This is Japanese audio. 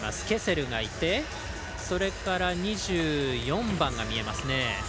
ケセルがいて、それから２４番が見えますね。